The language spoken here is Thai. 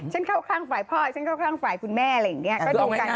เข้าข้างฝ่ายพ่อฉันเข้าข้างฝ่ายคุณแม่อะไรอย่างนี้ก็ดูกัน